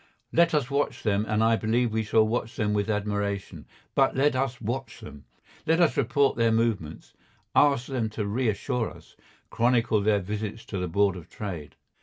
Let us watch them, and I believe we shall watch them with admiration. But let us watch them. Let us report their movements, ask them to reassure us, chronicle their visits to the Board of Trade.